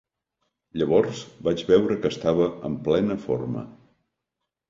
Llavors vaig veure que estava en plena forma.